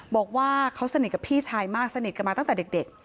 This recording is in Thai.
บอกว่าเขาสนิทกับพี่ชายมากสนิทกันมาตั้งแต่เด็ก